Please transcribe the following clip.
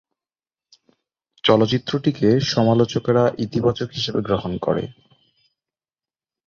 চলচ্চিত্রটিকে সমালোচকেরা ইতিবাচক হিসেবে গ্রহণ করে।